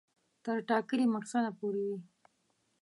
تر ټاکلي مقصده پوري وي.